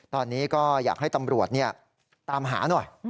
ตอนนี้ก็อยากให้ตำรวจตามหาหน่อย